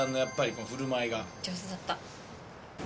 上手だった。